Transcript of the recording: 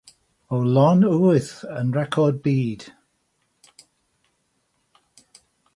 O lôn wyth, yn record byd.